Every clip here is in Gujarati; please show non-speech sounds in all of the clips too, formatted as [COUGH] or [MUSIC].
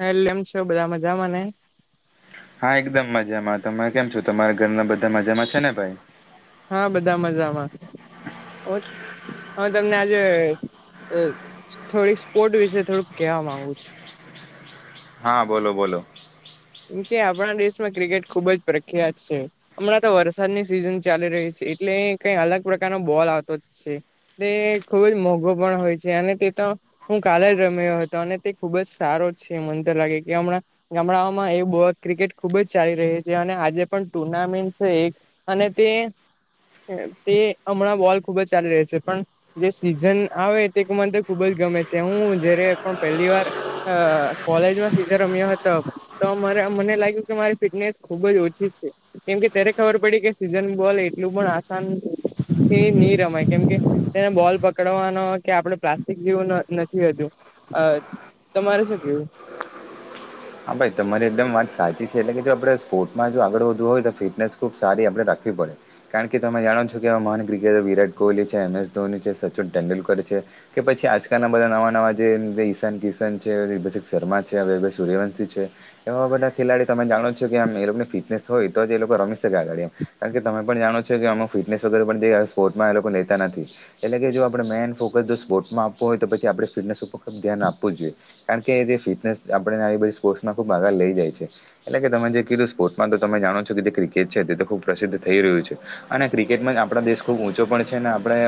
હાલે એમ છો બધા મજામાને હા એકદમ મજામાં તમે કેમ છો તમારા ઘરના બધા મજામાં છે ને ભાઈ હા બધા મજામાં ઓ હું તમને આજે અ થોડીક સ્પોર્ટ વિશે થોડુંક કેવા માંગુ છું હા બોલો બોલો કેમ કે આપણા દેશમાં ક્રિકેટ ખુબ જ પ્રખ્યાત છે હમણાં તો વરસાદની સિઝન ચાલી રહી છે એટલે કઈ અલગ પ્રકારનો બોલ આવતો જ છે તે ખુબ જ મોંઘો પણ હોય છે અને તે તો હું કાલે જ રમ્યો હતો અને તે ખુબ જ સારો જ છે મન તો લાગે કે હમણાં હમણાં માં એ બોલ ક્રિકેટ ખુબ જ ચાલી રહી છે અને આજે પણ ટુર્નામેન્ટ છે એક અને તે તે હમણાં બોલ ખુબ જ ચાલી રહિ છે પણ જે સીઝન આવે તે મન તો ખુબ જ ગમે છે હું જયારે પણ પહેલી વાર હ કોલેજમાં સીધા રમ્યો હતો તો મરે મને લાગ્યું કે મારી ફિટનેસ ખુબ જ ઓછી છે કેમકે ત્યારે ખબર પડી કે સિઝન બોલ એટલું પણ આસાન થી નહી રમાય કેમકે તેને બોલ પકડવાનો કે આપડે પ્લાસ્ટિક જેવું નથી હોતું હ તમારે શું કેવું હા ભાઈ તમારી એકદમ વાત સાચી છે, એટલે કે જો આપડે સ્પોર્ટમાં જો આગળ વધવું હોય તો ફિટનેસ ખુબ સારી આપણે રાખવી પડે કારણ કે તમે જાણો છો કે આવા મહાન ક્રિકેટરો વિરાટ કોહલી છે એમ એસ ધોની છે સચિન તેંડુલકર છે. કે પછી આજકાલના બધા નવા નવા જે ઈશાન કિશન છે અભીસેક શર્મા છે હવે સૂર્યવં શી છે એવા બધા ખેલાડી તમે જાણો જ છો કે આમ એ લોકોને ફિટનેસ હોય તો એ લોકો રમી શકે આગળ એમ કારણ કે તમે પણ જાણો છો કે આમાં ફિટનેસ વગેરે પણ જે અ સ્પોર્ટસમાં એ લોકો લેતા નથી એટલે કે જો આપણે મેન ફો બધુ સ્પોર્ટસમાં આપવુ હોય તો પછી આપણે ફિટનેસ ઉપર ખૂબ ધ્યાન આપવું જોઈએ કારણ કે જે ફિટનેસ આપણે આવી બધી સ્પોર્ટ્માં ખુબ આધાર લઇ જાય છે એટલે કે તમે જે કીધું સ્પોર્ટમાં તો તમે જાણો છો કે જે ક્રિકેટ છે તે તો ખુબ પ્રસિદ્ધ થઈ રહ્યું છે અને ક્રિકેટમાં જ આપણા દેશ ખૂબ ઊંચો પડે છે અનેે આપણે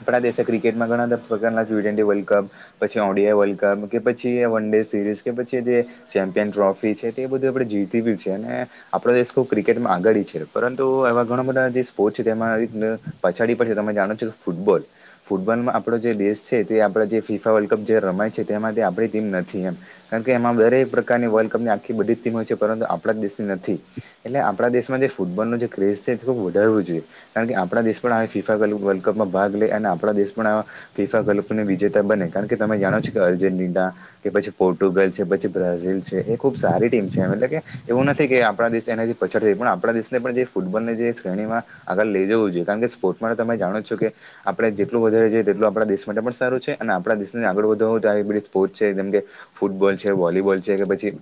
આપણા દેશે ક્રિકેટમાં ઘણા બધા પ્રકારનાં જોઈએ ટી ટ્વેન્ટી વર્લ્ડ કપ પછી ઓડિયા વર્લ્ડ કપ કે પછી વન ડે સિરીઝ કે પછી જે ચેમ્પિયન ટ્રોફી છે તે એ બધું આપણે જીતીયું બી છે અને આપણાો દેશ ખૂબ ક્રિકેટમાં આગળ છે પરંતુ એવા ઘણા બધા જે સ્પોર્ટ છે તેમાં ન પછાડી પાડે તમે જાણો છો કે ફૂટબોલ ફૂટબોલમાં આપણો જે દેશ છે તે આપણા જે ફીફા વર્લ્ડ કપ જે રમાય છે તેમાંથી આપણી ટીમ નથી એમ કારણકે એમાં દરેક પ્રકારની વર્લ્ડ કપની આખી બધી જ ટીમ હોય છે પરંતુ આપણા દેશની નથી એટલે આપણા દેશમાં જે ફૂટબોલ નો જે ક્રેઝ છે તે ખૂબ વધારવું જોઈએ. કારણ કે આપણા દેશ પણ ફીફા વર્લ્ડ કપમાં ભાગ લે અને આપણા દેશ પણ ફિફા કલ્પ ને વિજેતા બને કારણ કે તમે જાણો છો કે અર્જેન્ટિના કે પછી પોર્ટુગલ છે, પછી બ્રાઝિલ છે એ ખૂબ સારી ટીમ છે એમ એટલે કે એવું નથી કે આપણા દેશ એનાથી પાછટ થઈ પણ આપણા દેશને પણ જે ફૂટબોલની જે શ્રેણીમાં આગળ લઈ જવું જોઈએ કારણ કે સ્પોર્ટસ માટે તમે જાણો જ છો કે આપણે જેટલું વધારે જઈએ તેટલું આપણા દેશ માટે પણ સારું છે અને આપણા દેશને આગળ વધું તો પોચ છે જેમ કે ફૂટબોલ છે વોલીબોલ છે કે પછી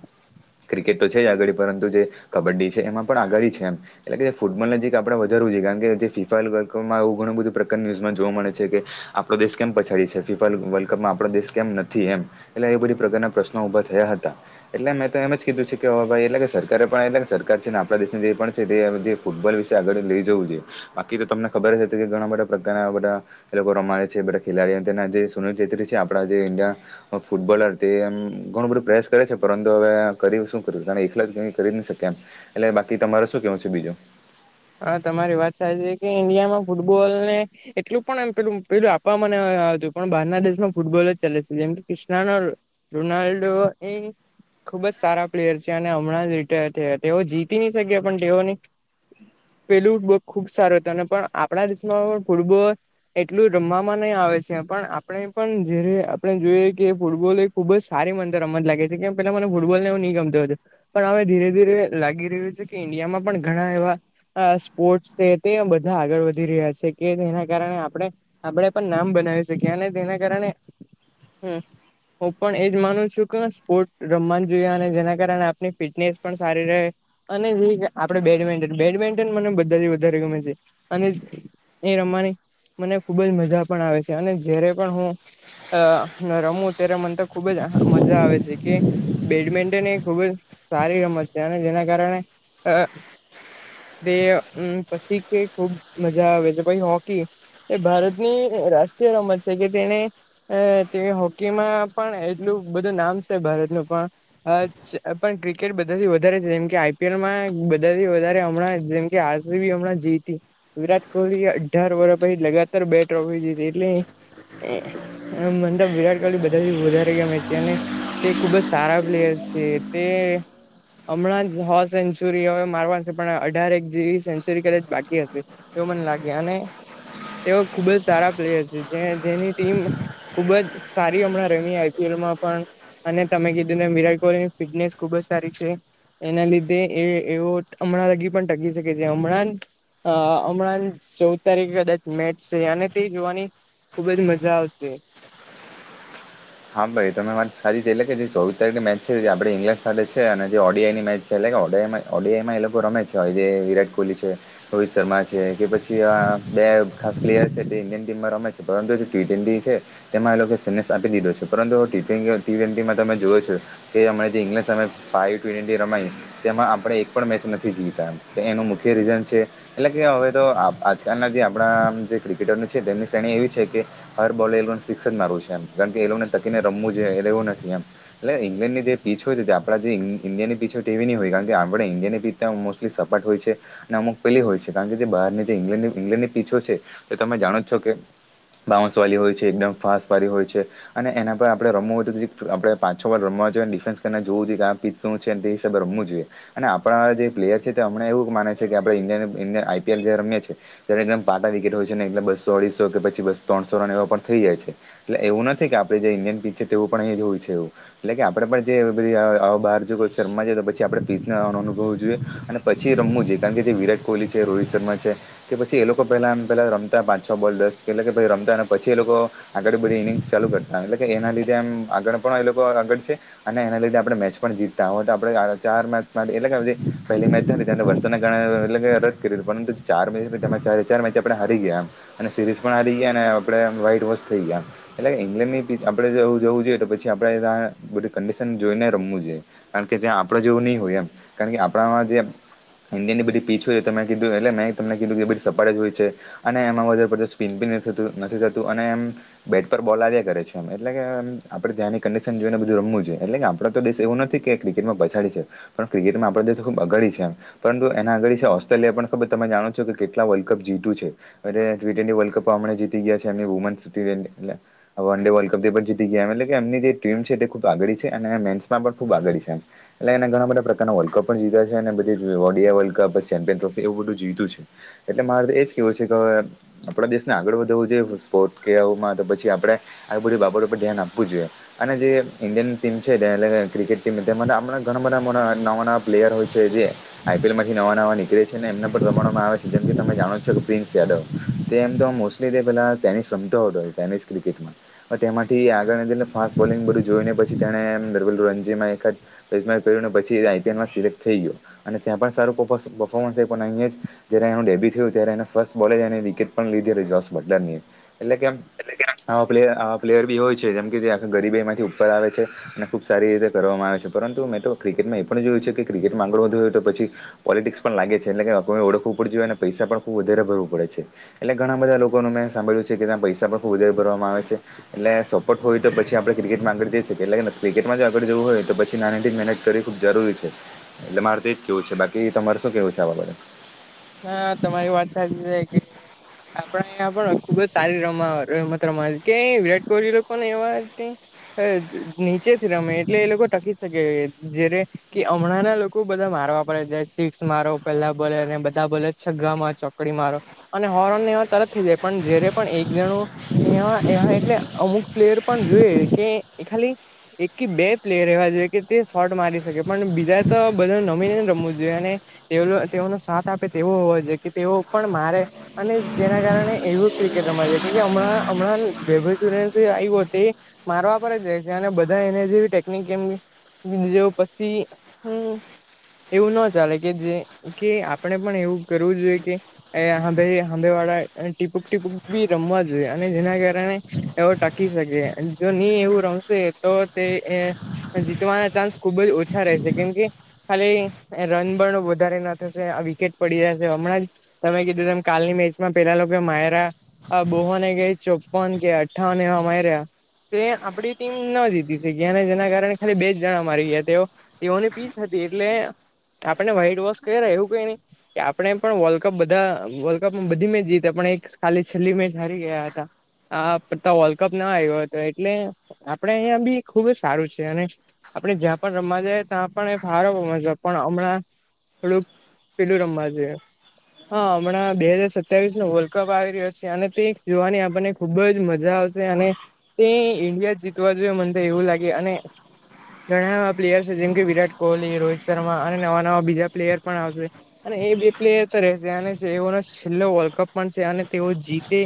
ક્રિકેટ તો છે જ આગળ પરંતુ જે કબડ્ડી છે એમાં પણ આગળ છે એમ. એટલે કે જે ફૂટબોલ નજીક આપડે વધારવું જોઈએ કારણ કે જે ફિફા વર્લ્ડ કપમાં એવું ઘણું બધું પ્રકારનુ ન્યુઝમાં જોવા મળે છે કે આપડો દેશ કેમ પછાડી છે ફિફા વર્લ્ડ કપમાં આપડો દેશ કેમ નથી એમ. એટલે એ બધી પ્રકારના પ્રશ્નો ઉભા થયા હતા. એટલે મેં તો એમ જ કીધું છે કે ભાઈ એટ લ સરકારે પણ એટલા સરકાર છે ને આપણા દેશની જે પણ છે તે ફૂટબોલ વિશે આગળ લઈ જવું જોઈએ બાકી તો તમને ખબર જ હતી કે ઘણા બધા પ્રકારના આવા બધા એ લોકો રમાય છે બધા ખેલાડીઓ તેના જે સુનિલ ચૈત્રી છે આપણા જે ઇન્ડિયા ફૂટબોલર તે એમ ઘણું બધું પ્રયાસ કરે છે પરંતુ હવે કર શું કરું તણે એકલા જ કે કરી જ નહી શકેય એમ. એટલે બાકી તમારે શું કેવું છે બીજું હા તમારી વાત સારી છે કે ઇન્ડિયામાં ફૂટબોલ ને એટલું પણ એ પેલું પેલું આપવામાં નઈ આવતું પણ બહારના દેશમાં ફૂટબોલ જ ચાલે છે જેમ કે ક્રષ્ણાનો રોનાલ્ડો એ ખુબ જ સારા પ્લેયર છે અને હમણાં જ રિટાયર થયા તેઓ જીતી નહી શક્યા પણ તેઓ ની પેલું ખુબ સારો હતું અને પણ આપણા દેશમાં પણ ફૂટબોલ એટલું રમવામાં નહી આવે છે પણ આપણે પણ જયારે આપણે જોઈએ કે ફૂટબોલ એક ખુબ જ સારી મનતો રમત લાગે છે કેમ પેલા મને ફૂટબોલને એવું નહ ગમતું પણ હવે ધીરે ધીરે લાગી રહ્યું છે કે ઈન્ડિયામાં પણ ઘણા એવા સ્પોર્ટ્સ છે તે બધા આગળ વધી રહ્યા છે કે તેના કારણે આપણે આપણેે પણ નામ બનાવી શકીએ અને તેના કારણે હ. હું પણ એજ માનું છું કે સ્પોર્ટ રમવા જોઈએ અને જેના કારણે આપની ફિટનેસ પણ સારી રહે. અને જે કે આપડે બેડમિન્ટન બેડમિન્ટન મને બધાથી વધારે ગમે છે અને એ રમવાની મને ખુબ જ મજા પણ આવે છે અને જયારે પણ હું અ રમું ત્યારે મન તો ખુબ જ મજા આવે છે કે બેડમિન્ટન એ ખૂબ જ સારી રમત છે અને જેના કારણે અઅ તે ઉમ પછી કે ખુબ મજા આવે છે પઇ હોકી એ ભારતની રાષ્ટ્રીય રમત છે કે તેને અ તે હોકીમાં પણ એટલું બધું નામ છે ભારતનું પણ અ છે પણ ક્રિકેટ બધાથી વધારે છે જેમ કે આઈ. પી. એલ. માં બધાથી વધારે હમણાં જેમ કે આર. સી. બી. હમણાં જીતી વિરાટ કોહલી એ અઢાર વરહ પછી લગાતાર બે ટ્રોફી જીતી એટલે મન તો વિરાટ કોહલી બધાથી વધારે ગમે છે અને તે ખુબ જ સારા પ્લેયર છે તે હમણાં જ હો સેન્ચુરી હવે મારવાની છે પણ અઢાર એક જેવી સેન્ચયુરી કદાચ બાકી હશે એવું મને લાગે અને તેવો ખુબ જ સારા પ્લેયર છે જે જેની ટીમ ખુબ જ સારી હમણાં રમી આઈ પી એલ માં પણ અને તમે કીધું ને વિરાટ કોહલી ની ફિટનેસ ખુબ જ સારી છે. એના લીધે એ એવો હમણાં લગી પણ ટકી શકે છે હમણાં હમણાં ચૌદ તારીખે કદાચ મેચ છે અને તે જોવાની ખુબ જ મજા આવશે. હા ભાઈ તમે મારી સારી છે એટલે કે જે ચોવીસ તારીખે મેચ છે જે આપણે ઇંગ્લેન્ડ સાથે છે અને જે ઓ ડિ આઈ ની મેચ એટલે કે ઓ. ડી. આઈ. માં ઓ. ડી. આઈ. માં એ લોકો રમે છે હવે જે વિરાટ કોહલી છે. રોહિત શર્મા છે કે પછી આ બે ખાસ પ્લેયર છે તે ઇન્ડિયન ટીમમાં રમે છે પરંતુ જે ટી ટેવન્ટી છે. તેમાં એ સન્યાસ આપી દીધો છે પરંતુ હવે ટી ટ્વેન્ટી માં તમે જુઓ છો. એ અમણે જે ઇંગ્લેન્ સામે ફાયુ ટવેનટી રમાયને તેમાં આપણે એક પણ મેચ નથી જીયતા ત એનું મુખ્ય રીઝન છે. એટલે કે, હવે તો આ આજકાલના જે આપણા આમ જે ક્રિકેટર છે, તેમની શ્રેણી એવી છે કે દર બોલે એલોને સીક્સ જ મારવું છે એમ કાણ કે, એલોને તકીને રમવું જોયે એવું નથી એમ એટલે ઇગ્લેન્ડની જે પીચ હોય, તો તે આપડા જે ઈન્ડિ ઈન્ડિયાની પીચ તેવી ની હોય કારણ કે, આપણે ઇન્ડિયાની પીચ ત્યાં મોસ્ટલી સપાટ હોય છે. અને અમુક પેલી હોય છે, કારણ કે જે બારની જે ઇંગ્લેન્ ઇંગ્લેન્ડની પીચો છે, તો તમે જાણો જ છો કે બાઉન્સ વાળી હોય છે, એકદમ ફાસ્ટ વાળી હોય છે. અને એના પર આપણે રમવું હોય, જીક તો આપણે પાચ, છ વાર રમવા જોઈએ, ડિફેન્સ કને જોવુ જોઈએ આ પીચ શું છે ને, તે ઈસાબે રમવું જોઈએ અને આપણામા જે પ્લેયર છે તે, અમણાં એવું માને છે કે, આપણે ઇન્ડિયાની ઇન્ડિયામા આઈ પી એલ જે રમીએ છીએ ત્યારે એકદમ પાટા વિકેટ હોય છે ને એકદમ બસો, અઢીસો કે પછી બસો, ત્રણસો રન એવા પણ થઈ જાય છે. એટલે એવું નથી કે આપણે જે ઇન્ડિયાની પિચ છે, તેવું પણ અહીં જ હોય છે એવું એટલે કે, આપડે પણ જે એવી બધી આવા બાર જો કે રમમા જઈએ તો પછી આપણે પીચને અનુભવું જોઈએ પછી રમવું જોઈએ કારણ કે, જે વિરાટ કોહલી છે, રોહિત શર્મા છે કે પછી, એ લોકો પેલા એમ પેલા રમતા પાંચ છ બોલ દસ પેલા કે પછી રમતા પછી એલોકો આગળ બધી ઇનિંગ ચાલુ કરતા એટલે કે, એના લીધે એમ આગળ પણ એલોકો આગળ છે અને એના લીધે આપડણે મેચ પણ જીતતા અવે તો આપડે ચાર મેચમા માટે એટલે કે બધી પહેલી મેચ ત્યારે વરસદને કારણે એટલે કે આરસ કરી હતી, પરંતુ ચાર મેચ હતી, ત તેમાં ચારે ચાર મેચ આપણે હારી ગીયા એમ અને સિરીઝ પણ આરી ગીયા ને આપણે એમ વ્હઇટ વોશ થેઈ ગીયા એમ એટલે ઈંગ્લેન્ડની આપડે અવુ જવું જોઈએ તો પછી આપડે તા બધી કંડિશન જોઈને રમવું જોઈએ. કારણ કે, ત્યાં આપડે જેવું ની હોય એમ કારણ કે આપણામાં જે ઇન્ડિયાની બધી પીચ હોય તો મે કીઘુ એટલે મેં તમને કીધું કે બધી સપાટ જ હોય છે. અને એમાં વધારે પડતું સ્પિનભી ની થતું નથી થતું અને એમ બેટ પર બોલ આવ્યા કરે છે. એટલે કે એમ આપણે ત્યાંની કંડિશન જોઈને બધું રમવું જોઈએ એટલે કે આપણો તો દેશ એવું નથી કે ક્રિકેટમાં પછાડી છે. પણ ક્રિકેટમાં આપણો દેશ ખૂબ અગાડી છે. એમ પરંતુ એના અગાડી છે, ઓસ્ટ્રેલિયા પણ ખબર તમે જાણો છો કે કેટલા વર્લ્ડ કપ જીયતું છે. અરે આ ટવી ટવેનટી વર્લ્ડ કપમા અમણે જીતી ગીયા છે, એમની વુમનસ ટી ટરેનટી એટલે વન ડે વર્લ્ડ કપ ત તે પછી જીતી ગીયા એમ એટલે કે એમની જે ટીમ ખુબ આગળી છે, અને મેનસમાં પણ ખુબ આગળી છે, એમ એટલે એને ઘણા બધા પ્રકારના વર્લ્ડ કપ પણ જીયતા છે, અને બધી ઓડિયા વર્લ્ડપ પછી ચેમ્પયન ટ્રોફી એવું બધું જીયતું છે. એટલે મારે ત એજ કેવું છે કે, અવે આપણા દેશને આગળ વધાવું જોઈએ સ્પોર્ટ કે આવુમાં તો પછી આવડે આ બધી બાબતો પર ધ્યાન આપવું જોઈએ અને જે એમ ઇન્ડિયન ટીમ છે, ધ એલેકે ક્રિકેટ ટીમ તેમાં આપણા ઘણા મોટા મોટા, નવા નવા પ્લેયર હોય છે, જે આઈ પી એલ માંથી નવા નવા નીકળે છે, ને એમને પણ રમાડવામાં આવે છે, જેમ કે તમે જાણો છો કે પ્રિન્સ યાદવ તે એમ તો મોસ એ તે પેલા ટેનીસ રમતો અતો એ ટેનીસ ક્રિકેટમાં ત તેમાંથી આગળ જ એટલે એમ ફાસ્ટ બોલિંગ બધું જોઈને પછી તેણે એમ દરવીલરણજીમાં એખાદ કયરુ પછી આઈ પી એલમાં સિલેક્ટ થેઈ ગીયો અને ત્યાં પણ સારુ પર્ફોસ પર્ફોમર્ન્સ આયપુ ને અઈએ જ જયારે એનું ડેબી થયું ત્યારે એને ફસ બોલે જ એની વિકેટ પણ લીધેલી જોસ બટલરની એટલે કે એમ એટલે કે આમ પ્લે આવા પ્લેયર બી હોય છે, જેમ કે જે આખ ગરીબાઈ માંથી ઉપર આવે છે. અને ખુબ સારી રીતે કરવામાં આવે છે, પરંતુ મેં તો ક્રિકેટમાં એ પણ જોયું છે, કે ક્રિકેટમાં આગળ વધવુ હોય તો પછી પોલિટિક્સ પણ લાગે છે, એટલે કે કોય ઓળખું ઉપડ જોય અને પૈસા પણ ખુબ વધારે ભરવું પડે છે. એટલે ઘણા બધા લોકોનું મેં સાંભળ્યું છે કે, ત્યાં પૈસા પણ ખુબ વધારે ભરવામાં આવે છે. એટલે સપોર્ટ હોય તો પછી આપણે ક્રિકેટમાં આગળ જઈ સકીયે, એટલે કે ક્રિકટમાં જો આગળ જવું હોય તો પછી નાની ટીમ મેનેજ કરી ખુબ જરૂરી છે, એટલે મારે તો એજ કેવું છે, બાકી તમારે શું કેવું છે? આ બાબડે હા, તમારી વાત સાચી છે કે આપણે અઈઆ પણ ખુબ જ સારી રમ રમત રમાય કે વિરાટ કોહલી લોકોને એવા કેઈ અ નીચેથી રમે એટલે એ લોકો ટકી શકે જ્યારે કે, અમણાં ના લોકો બધા મારવા પર જ જાય સિક્સ મારો પેલા બોલે ને બધા બોલે છગ્ગા માર, ચોકડી મારો, અને હો બોલ ને એવા તરત થઈ જાય પણ જયારે પણ એક જણું [UNINTELLIGIBLE] એ એટલે અમુક પ્લેયર પણ જોઈએ કે ખાલી એક્કી બે પ્લેયર એવા જોઈએ કે તે શોર્ટ મારી શકે પણ બીજા તો બધા નમીને જ રમવું જોઈએ અને [UNINTELLIGIBLE] તેઓનો સાથ આપે તેવો હોવા જોઇએ કે તેઓ પણ મારે અને જેના કારણે એવું ક્રિકેટ રમાય છે કેમ હમણા-હમણાં ભેગું સુરેસે આઈવો તે મારવા પર જ જાય છે અને બધા એને જેવી ટેકનિક કેમની પસી હમ્મ એવું નો ચાલે કે જે કે આપણે પણ એવું કરવું જોઈએ કે એ આંભે આંભે વાળા ટીપુક ટીપુક બી રમવા જ જોઈએ અને જેના કારણે એવો ટાકી શકે જો નહી એવું રમશે તો તે એ જીતવાના ચાન્સ ખુબ જ ઓછા રહેશે કેમ કે ખાલી રન બણ વધારેના થશે આ વિકેટ પડી જ છે હમણાં જ તમે કીધું ત કાલની મેચમાં પેલા લોકો માઈરા આ બોહોને ગઈ ચોપ્પન કે અઠ્ઠાવન એવા માઈર્યા. તે આપડી ટીમ ન જીતી શકીયા અને જેના કારણે ખાલી બે જ જણા મારી ગયા તેઓ તેઓની પીચ હતી એટલે આપણે વ્હાઈટ વોશ કઇર્યા એવું કઈ નઈ. કે આપણે પણ વર્લ્ડ કપ બધા વર્લ્ડ કપમાં બધી મેચ જીતી પણ એક ખાલી છેલ્લી મેચ હારી ગયા હતા આપત્તા વર્લ્ડ કપ ના આવ્યો હતો એટલે આપડે અહિયાં બી ખુબ જ સારું છે અને આપણે જ્યાં પણ રવા જઈએ ત્યાં પણ એ ફારો પણ હમણાં થોડુંક પેલું રમવા જોઈએ. હા હમણાં બે હાજર સત્યાવીશ નો વર્લ્ડ કપ આવી રહ્યો છે અને તે જોવાની આપનને ખુબ જ મજા આવશે અને તે ઇન્ડિયા જીતવા જોઈએ મન તો એવું લાગે અને ઘણા એવા પ્લેયર છે જેમ કે વિરાટ કોહલી રોહિત શર્મા અને નવા નવા બીજા પ્લેયર પણ આવશે. અને એ બે પ્લેયર તો રહેશે અને એઓનો છેલ્લો વર્લ્ડ કપ પણ છે અને તેઓ જીતે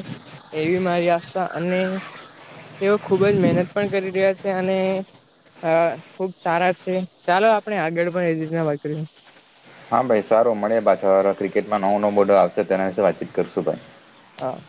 એવી મારી આશા અને તેઓ ખુબ જ મહેનત પણ કરી રહ્યા છે અને હા ખુબ સારા છે ચાલો આપણે આગળ પણ એ રીતના વાત કરીએ હા ભાઈ સારું મળે પાછળ ક્રિકેટમાં નવો નવું બોડલ આવશે તેના વિશે વાતચીત કરશું ભાઈ હા